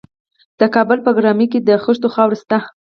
د کابل په بګرامي کې د خښتو خاوره شته.